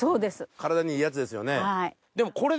体にいいやつですよね。